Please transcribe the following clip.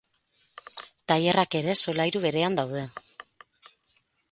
Tailerrak ere solairu berean daude.